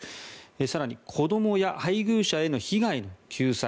更に、子どもや配偶者への被害の救済。